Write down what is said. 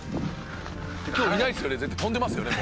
今日いないですよね？